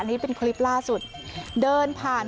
นี่เป็นคลิปล่าสุดเดินผ่าน